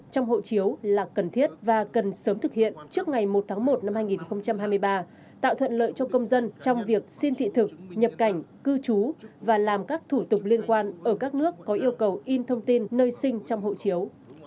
trong hộ chiếu là cần thiết và cần sớm thực hiện trước ngày một tháng một năm hai nghìn hai mươi ba tạo thuận lợi cho công dân trong việc xin thị thực nhập cảnh cư trú và làm các thủ tục liên quan ở các nước có yêu cầu in thông tin nơi sinh trong hộ chiếu